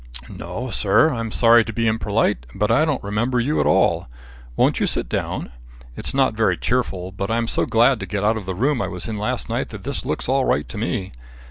"No, sir; I'm sorry to be imperlite but I don't remember you at all. Won't you sit down? It's not very cheerful, but I'm so glad to get out of the room I was in last night that this looks all right to me.